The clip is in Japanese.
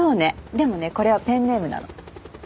でもねこれはペンネームなの。